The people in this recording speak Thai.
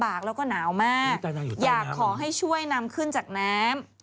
ปากแล้วก็หนาวมากอยากขอให้ช่วยนำขึ้นจากน้ำ